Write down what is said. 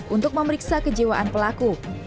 untuk memeriksa kejiwaan pelaku